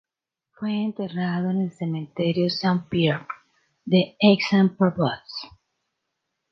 Fue enterrado en el Cementerio Saint-Pierre de Aix-en-Provence.